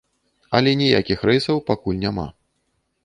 Але ніякіх рэйсаў пакуль няма.